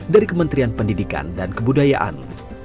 dari kementerian pendidikan dan kebudayaan